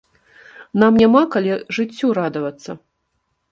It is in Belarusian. Нам няма калі жыццю радавацца.